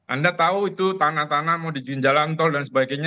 anda tahu itu tanah tanah mau digin jalan tol dan sebagainya